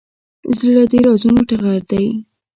زړه د رازونو ټغر دی.